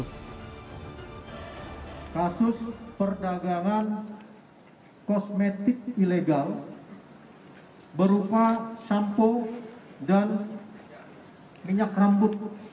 kasus perdagangan kosmetik ilegal berupa sampo dan minyak rambut